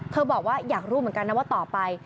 บอกว่าอยากรู้เหมือนกันนะว่าต่อไป